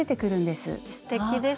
すてきですね。